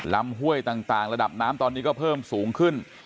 ห้วยต่างระดับน้ำตอนนี้ก็เพิ่มสูงขึ้น